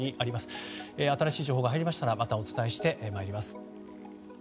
新しい情報が入りましたらまたお伝えしてまいります。